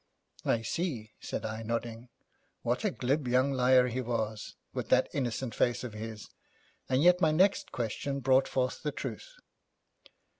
'I see,' said I, nodding. What a glib young liar he was, with that innocent face of his, and yet my next question brought forth the truth.